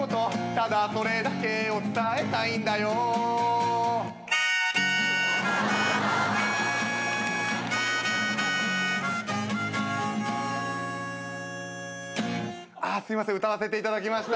「ただそれだけを伝えたいんだよ」ああすいません歌わせていただきました。